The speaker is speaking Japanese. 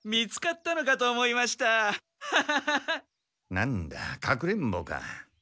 なんだかくれんぼか。